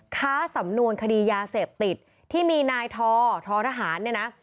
ค้าสำนวนคดียาเสพติดที่มีนายทอทอทหารเนี่ยนะ